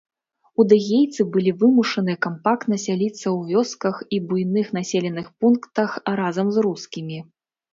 Удэгейцы былі вымушаны кампактна сяліцца ў вёсках і буйных населеных пунктах разам з рускімі.